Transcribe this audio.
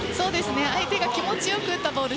相手が気持ち良く打ったボール